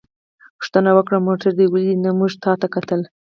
پوښتنه وکړه: موټر دې ولید؟ نه، موږ تا ته کتل.